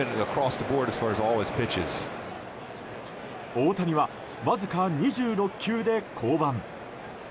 大谷は、わずか２６球で降板。